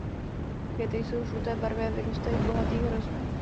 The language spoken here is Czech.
Květy jsou žluté barvy a vyrůstají v bohatých hroznech.